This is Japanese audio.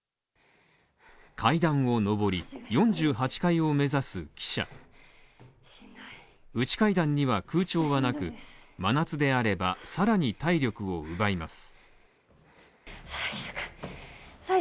階段を上り、４８階を目指す記者内階段には空調はなく、真夏であれば、さらに体力を奪います。